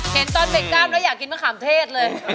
เห็นตอนเบรกกล้ามแล้วอยากกินมะขามเทศเลย